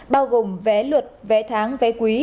bao gồm vé luật vé tháng vé quý